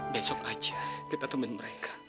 besok aja kita temenin mereka ya